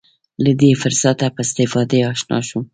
له دې فرصته په استفادې اشنا شم.